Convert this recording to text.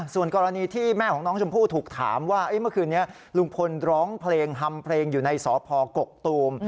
ส่วนกรณีที่แม่ของน้องชมพู่ถูกถามว่าเมื่อคืนนี้ลุงพลร้องเพลงฮัมเพลงอยู่ในสพกกตูม